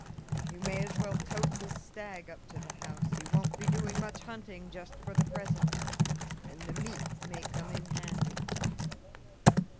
You may as well tote this stag up to the house. You won't be doing much hunting just for the present, and the meat may come in handy."